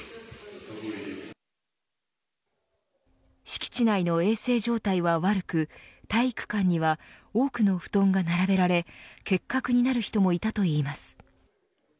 敷地内の衛生状態は悪く体育館には多くの布団が並べられ結核になる人もいたといいます。